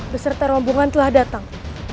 beserta rombongan telah datang